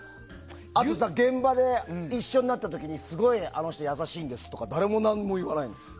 あと現場で一緒になった時すごいあの人優しいですって誰も何も言わないよ。